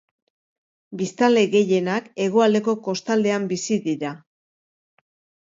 Biztanle gehienak hegoaldeko kostaldean bizi dira.